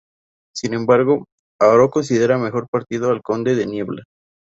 Sin embargo, Haro consideró mejor partido al conde de Niebla,